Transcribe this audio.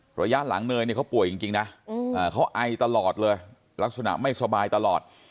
ระยะหลังเนยเนี่ยเขาป่วยจริงนะเขาไอตลอดเลยลักษณะไม่สบายตลอด